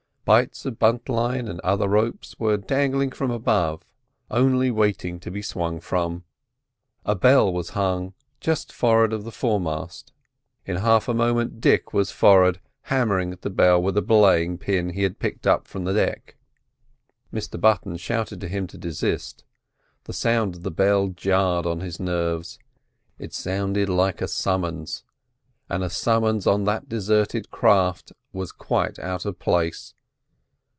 Bights of buntline and other ropes were dangling from above, only waiting to be swung from. A bell was hung just forward of the foremast. In half a moment Dick was forward hammering at the bell with a belaying pin he had picked from the deck. Mr Button shouted to him to desist; the sound of the bell jarred on his nerves. It sounded like a summons, and a summons on that deserted craft was quite out of place.